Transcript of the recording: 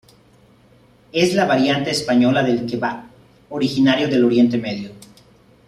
Es la variante española del kebab, originario del Oriente Medio.